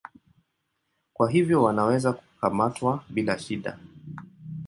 Kwa hivyo wanaweza kukamatwa bila shida.